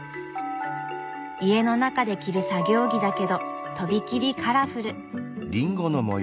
家の中で着る作業着だけどとびきりカラフル。